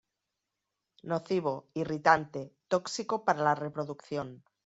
Nocivo, irritante, tóxico para la reproducción.